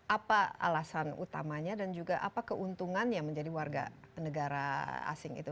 apa alasan utamanya dan juga apa keuntungannya menjadi warga negara asing itu